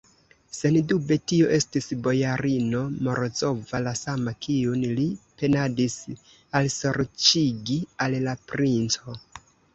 Sendube, tio estis bojarino Morozova, la sama, kiun li penadis alsorĉigi al la princo.